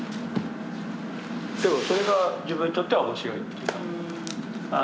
でもそれが自分にとっては面白いというか。